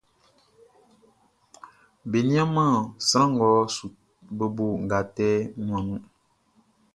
Be nianman sran ngʼɔ su bobo nʼgatɛ nuanʼn nun.